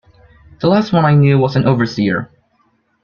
The last one I knew was an overseer.